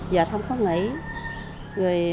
dệt không có nghỉ